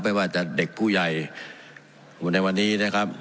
ไม่ว่าจะเด็กผู้ใหญ่ในวันนี้นะครับ